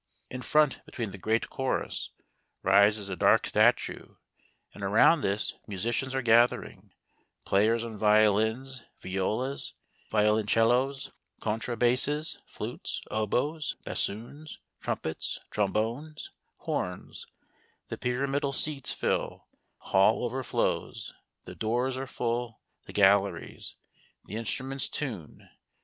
In front, between the great chorus, rises a dark statue, and around this, musicians are gathering — players on violins, violas, violoncellos, contra basses, flutes, oboes, bassoons, trumpets, trombones, horns ; the pyramidal seats fill ; the hall overflows ; the doors are full, the galleries. The instruments tune.